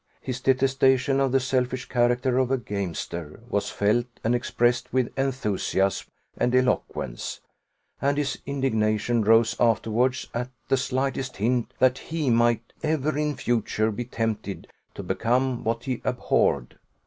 His detestation of the selfish character of a gamester was felt and expressed with enthusiasm and eloquence; and his indignation rose afterwards at the slightest hint that he might ever in future be tempted to become what he abhorred.